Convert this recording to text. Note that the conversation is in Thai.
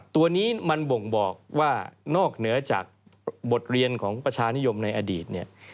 ตัวนี้มันบ่งบอกว่านอกเหนือจากบทเรียนของประชานิยมในอดีตเนี่ย